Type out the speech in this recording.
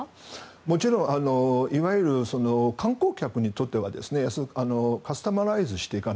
もちろん、いわゆる観光客にとってはカスタマライズしていく。